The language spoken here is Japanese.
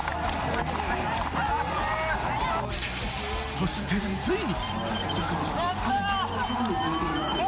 そして、ついに。